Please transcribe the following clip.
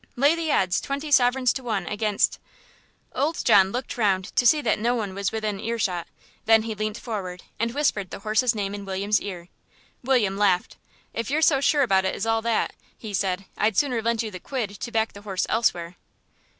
Lay the odds, twenty sovereigns to one against " Old John looked round to see that no one was within ear shot, then he leant forward and whispered the horse's name in William's ear. William laughed. "If you're so sure about it as all that," he said, "I'd sooner lend you the quid to back the horse elsewhere."